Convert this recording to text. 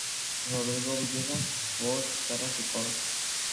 Rodrigo Villegas: Voz, guitarras y coros.